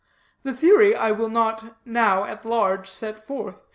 That theory I will not now at large set forth.